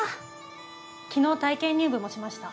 昨日体験入部もしました。